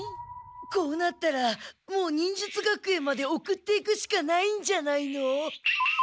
こうなったらもう忍術学園まで送っていくしかないんじゃないの？